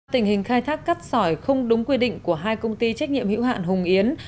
tình hình khai thác cát sỏi không đúng quy định của hai công ty trách nhiệm hữu hạn hùng yến